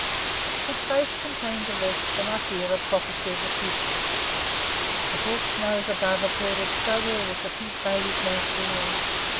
His face contained the rest, and, I fear, a prophecy of the future; the hawk's nose above accorded so ill with the pink baby's mouth below.